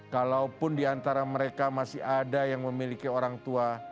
kalaupun diantara mereka masih ada yang memiliki orang tua